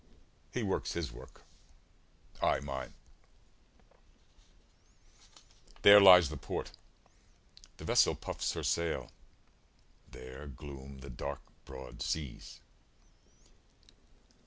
He works his work, I mine. There lies the port; the vessel puffs her sail: There gloom the dark, broad seas.